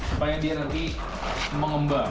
supaya dia nanti mengembang